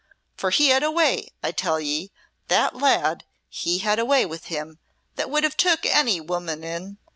For he had a way, I tell ye, that lad, he had a way with him that would have took any woman in.